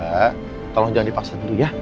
ya tolong jangan dipaksa dulu ya